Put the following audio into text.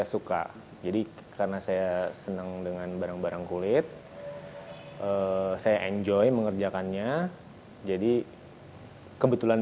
suka jadi karena saya senang dengan barang barang kulit saya enjoy mengerjakannya jadi kebetulan